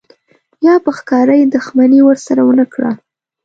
یا په ښکاره یې دښمني ورسره ونه کړه.